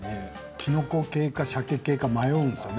きのこ系かさけ系か迷うんですよね